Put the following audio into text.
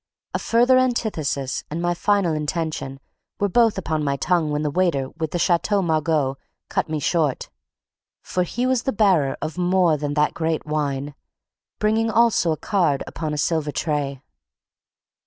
A further antithesis and my final intention were both upon my tongue when the waiter with the Château Margaux cut me short; for he was the bearer of more than that great wine; bringing also a card upon a silver tray.